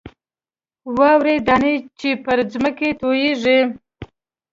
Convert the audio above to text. واورې دانې چې پر ځمکه تویېږي.